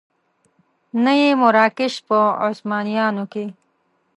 نه یې مراکش په عثمانیانو کې.